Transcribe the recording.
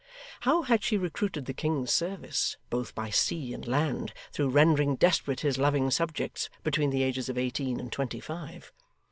How had she recruited the king's service, both by sea and land, through rendering desperate his loving subjects between the ages of eighteen and twenty five!